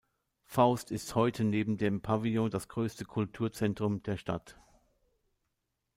Faust ist heute neben dem Pavillon das größte Kulturzentrum der Stadt.